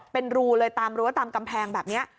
เป็นรูเลยตามกำแพงแบบนี้